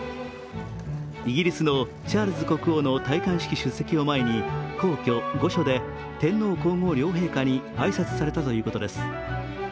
イギリスのチャールズ国王の戴冠式出席を前に皇居・御所で天皇皇后両陛下に挨拶されたということです。